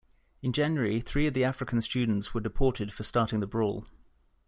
In January, three of the African students were deported for starting the brawl.